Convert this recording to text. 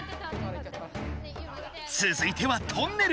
つづいてはトンネル！